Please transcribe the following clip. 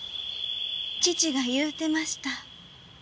父が言うてました。